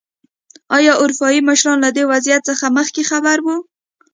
ایا اروپايي مشران له دې وضعیت څخه مخکې خبر وو.